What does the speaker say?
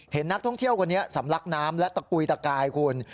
เห็นนักท่องเที่ยวคนนี้สำลักน้ำและตะกุยตะกายคุณ